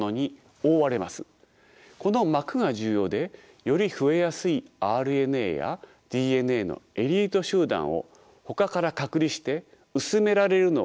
この膜が重要でより増えやすいＲＮＡやＤＮＡのエリート集団をほかから隔離して薄められるのを防ぐ働きがあります。